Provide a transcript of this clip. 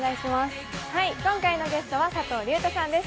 今回のゲストは佐藤隆太さんです。